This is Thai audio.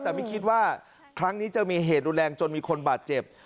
แต่ไม่คิดว่าครั้งนี้จะมีเหตุรุนแรงจนมีคนบาดเจ็บ